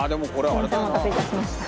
お待たせ致しました。